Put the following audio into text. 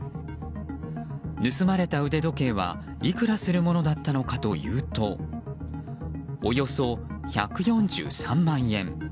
盗まれた腕時計はいくらするものだったのかというとおよそ１４３万円。